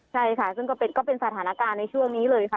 ใช่ค่ะซึ่งก็เป็นสถานการณ์ในช่วงนี้เลยค่ะ